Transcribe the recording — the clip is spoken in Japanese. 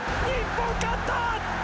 日本勝った。